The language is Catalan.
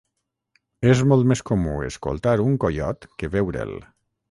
És molt més comú escoltar un coiot que veure'l.